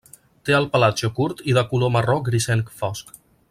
Té el pelatge curt i de color marró grisenc fosc.